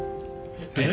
えっ？